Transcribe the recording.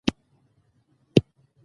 بد همسایه تر ټولو غټ دښمن دی.